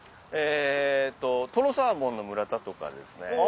えーっと「とろサーモン」の村田とかですね。